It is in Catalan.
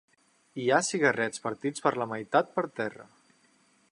Hi ha cigarrets partits per la meitat per terra.